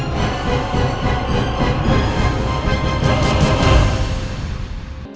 yang berbentuk seperti ini